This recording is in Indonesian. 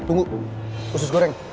eh tunggu usus goreng